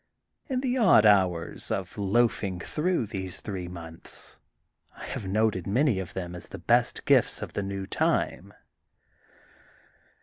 In the odd hours of loafing through these three months I have noted many of them as of the best gifts of the new time.